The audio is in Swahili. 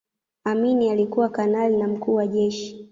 amini alikuwa kanali na mkuu wa jeshi